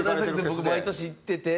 僕毎年行ってて。